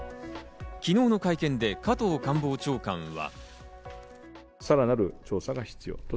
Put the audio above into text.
昨日の会見で加藤官房長官は。